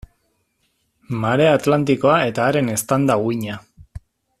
Marea Atlantikoa eta haren eztanda-uhina.